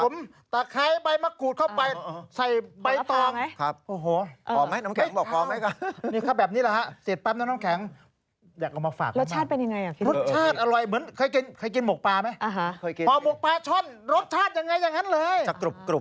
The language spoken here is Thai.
มันค่อนขันเสียบนิดหน่อยนะฮะ